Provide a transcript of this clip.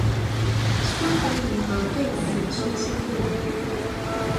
孙傅与何对此深信不疑。